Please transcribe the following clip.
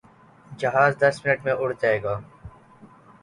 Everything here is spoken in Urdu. جہاز دس منٹ میں اڑ جائے گا۔